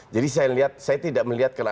jadi saya tidak melihat kenapa